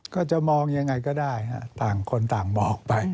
ก็จะมองยังไงก็ได้ต่างคนต่างมองไป